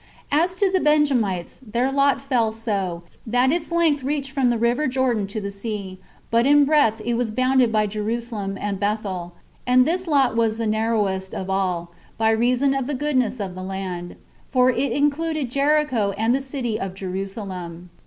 As to the Benjamites, their lot fell so, that its length reached from the river Jordan to the sea, but in breadth it was bounded by Jerusalem and Bethel; and this lot was the narrowest of all, by reason of the goodness of the land, for it included Jericho and the city of Jerusalem.